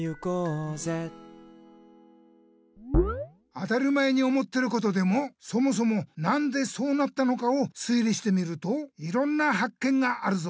当たり前に思ってることでもそもそもなんでそうなったのかを推理してみるといろんな発見があるぞ！